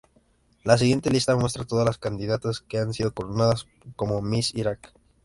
La siguiente lista muestra todas las candidatas que han sido coronadas como Miss Irak.